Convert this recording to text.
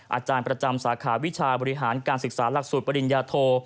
อาจารย์ประจำสาขาวิชาบริหารการศึกษาหลักสูตรปริญญาโท